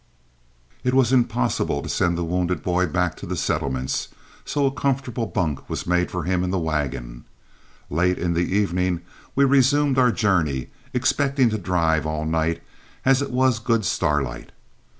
It was impossible to send the wounded boy back to the settlements, so a comfortable bunk was made for him in the wagon. Late in the evening we resumed our journey, expecting to drive all night, as it was good starlight.